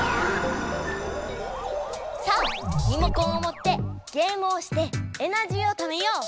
さあリモコンをもってゲームをしてエナジーをためよう！